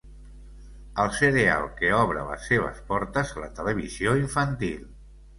El cereal que obre les seves portes a la televisió infantil.